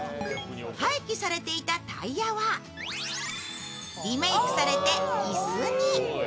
廃棄されていたタイヤはリメークされて椅子に。